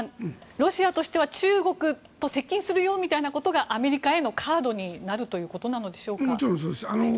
ロシアとしては中国と接近するよみたいなことがアメリカへのカードにもちろんそうですね。